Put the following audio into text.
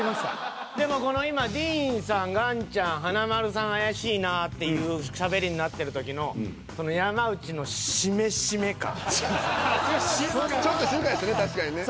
でもこの今ディーンさん岩ちゃん華丸さん怪しいなぁっていうしゃべりになってる時のちょっと静かですね